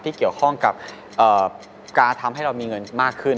เกี่ยวข้องกับการทำให้เรามีเงินมากขึ้น